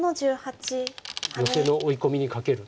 ヨセの追い込みに懸ける。